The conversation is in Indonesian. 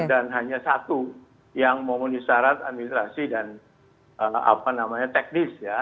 dan hanya satu yang memenuhi syarat administrasi dan teknis ya